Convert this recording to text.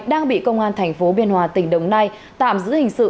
đang bị công an tp biên hòa tỉnh đồng nai tạm giữ hình sự